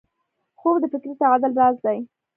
خوب د فکري تعادل راز دی